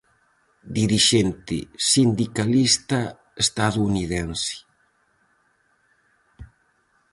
Dirixente sindicalista estadounidense.